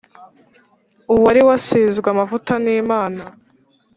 uwari wasizwe amavuta nimana